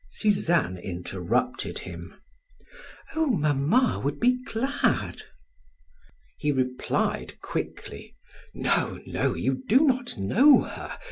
Suzanne interrupted him: "Oh, mamma would be glad." He replied quickly: "No, no, you do not know her.